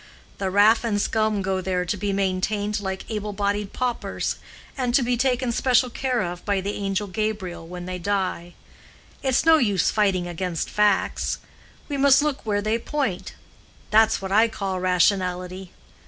The raff and scum go there to be maintained like able bodied paupers, and to be taken special care of by the angel Gabriel when they die. It's no use fighting against facts. We must look where they point; that's what I call rationality.